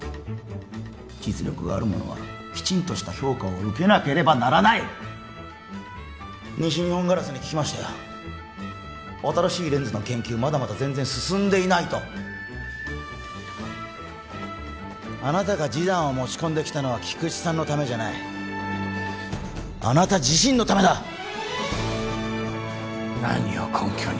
実力がある者はきちんとした評価を受けなければならない西日本ガラスに聞きましたよ新しいレンズの研究まだまだ全然進んでいないとあなたが示談を持ち込んだのは菊池さんのためじゃないあなた自身のためだ何を根拠に？